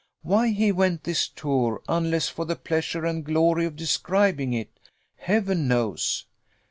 Why he went this tour, unless for the pleasure and glory of describing it, Heaven knows!